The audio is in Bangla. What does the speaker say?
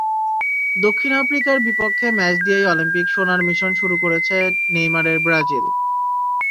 দক্ষিণ আফ্রিকার বিপক্ষে ম্যাচ দিয়েই অলিম্পিক সোনার মিশন শুরু করছে নেইমারের ব্রাজিল।